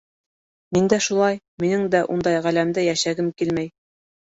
Мин дә шулай, минең дә ундай ғаләмдә йәшәгем килмәй.